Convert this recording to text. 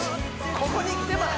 ここにキテます